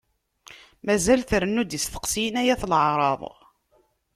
Mazal trennu-d isteqsiyen ay at laɛraḍ.